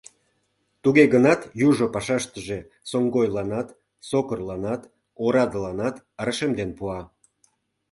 Туге гынат южо пашаштыже соҥгойланат, сокырланат, орадыланат рашемден пуа...